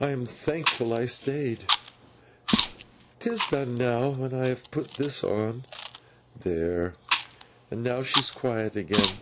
'I am thankful I stayed! 'Tis done now, when I have put this on. There! And now she's quiet again.